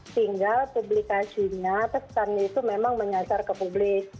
tinggal publikasinya pesan itu memang menyasar ke publik